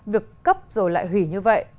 việc cấp rồi lại hủy như vậy